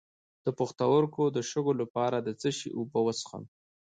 د پښتورګو د شګو لپاره د څه شي اوبه وڅښم؟